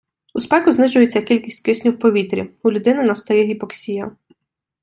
У спеку знижується кількість кисню в повітрі, у людини настає гіпоксія